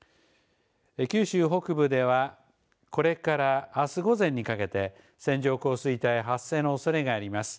九州北部ではこれから、あす午前にかけて線状降水帯発生のおそれがあります。